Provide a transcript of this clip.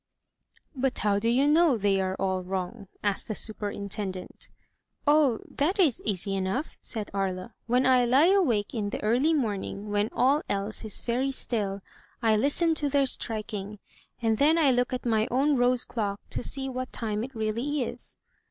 "But how do you know they are all wrong?" asked the super intendent. 267 MY BOOK HOUSE ''Oh, that is easy enough," said Aria. "When I lie awake in the early morning, when all else is very still, I listen to their striking, and then I look at my own rose clock to see what time it really is."